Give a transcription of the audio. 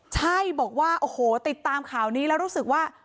ใช่บอกว่าโอ้โหติดตามข่าวนี้แล้วรู้สึกว่า